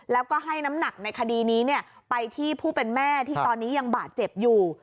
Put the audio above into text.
แล้วก็ให้น้ำหนักในคดีนี้ไปที่ผู้เป็นแม่ที่ตอนนี้ยังบาดเจ็บอยู่